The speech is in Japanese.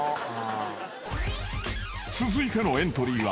［続いてのエントリーは］